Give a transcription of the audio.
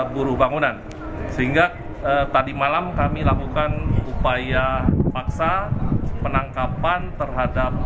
buruh bangunan sehingga tadi malam kami lakukan upaya paksa penangkapan terhadap